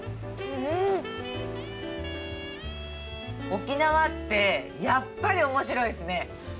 沖縄って、やっぱりおもしろいっすね。